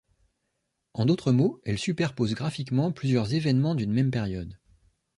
En d’autres mots, elle superpose graphiquement plusieurs événements d’une même période.